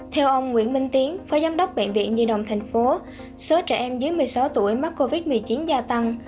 theo ông nguyễn minh tiến phó giám đốc bệnh viện di đồng thành phố số trẻ em dưới một mươi sáu tuổi mắc covid một mươi chín gia tăng